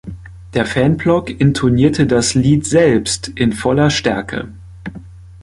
Der Fanblock intonierte das Lied selbst in voller Stärke.